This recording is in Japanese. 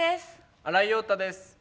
新井庸太です。